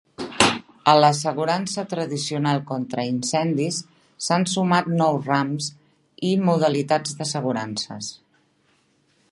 A l'assegurança tradicional contra incendis s'han sumat nous rams i modalitats d'assegurances.